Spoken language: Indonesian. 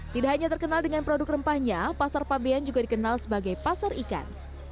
tidak hanya terkenal dengan produk rempahnya pasar fabian juga dikenal sebagai pasar ikan